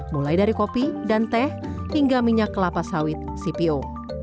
mulai dari kopi dan teh hingga minyak kelapa sawit cpo